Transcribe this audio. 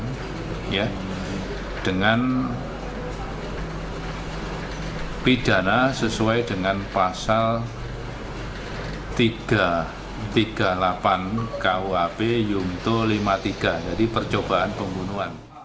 pembunuhan dengan pidana sesuai dengan pasal tiga ratus tiga puluh delapan kuap yumto lima puluh tiga jadi percobaan pembunuhan